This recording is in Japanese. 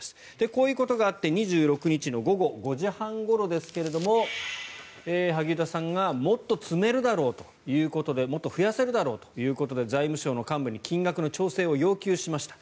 こういうことがあって２６日の午後５時半ごろですが萩生田さんがもっと積めるだろうということでもっと増やせるだろということで財務省の幹部に金額の調整を要求しました。